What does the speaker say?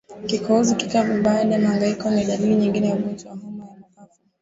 Kikohozi kikavu baada ya mahangaiko ni dalili nyingine ya ugonjwa wa homa ya mapafu